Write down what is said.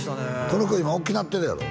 この子今おっきなってるやろ？